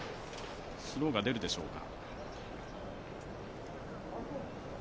スローが出るでしょうか。